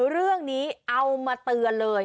เรื่องนี้เอามาเตือนเลย